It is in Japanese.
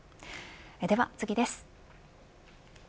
では次です。